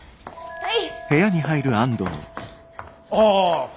はい！